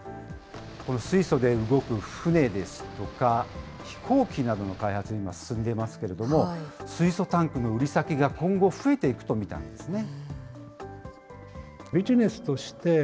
この水素で動く船ですとか、飛行機などの開発、今、進んでますけれども、水素タンクの売り先が今後、増えていくと見たんですね。